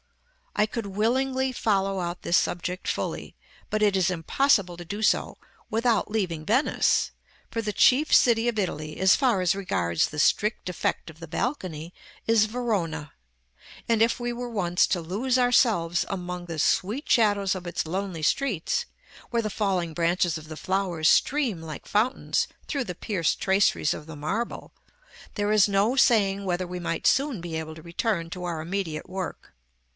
I could willingly follow out this subject fully, but it is impossible to do so without leaving Venice; for the chief city of Italy, as far as regards the strict effect of the balcony, is Verona; and if we were once to lose ourselves among the sweet shadows of its lonely streets, where the falling branches of the flowers stream like fountains through the pierced traceries of the marble, there is no saying whether we might soon be able to return to our immediate work.